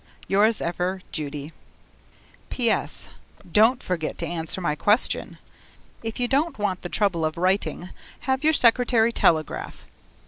Yours ever, Judy PS. Don't forget to answer my question. If you don't want the trouble of writing, have your secretary telegraph.